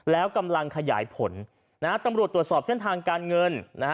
แล้วกำลังขยายผลนะฮะตำรวจตรวจสอบเส้นทางการเงินนะฮะ